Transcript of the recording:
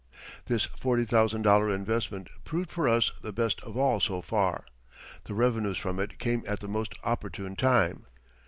This forty thousand dollar investment proved for us the best of all so far. The revenues from it came at the most opportune time.